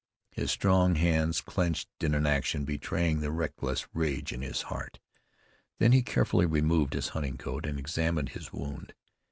His strong hands clenched in an action betraying the reckless rage in his heart. Then he carefully removed his hunting coat, and examined his wound.